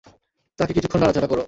তাকে কিছুক্ষন নাড়াচাড়া করো।